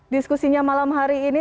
diskusinya malam hari ini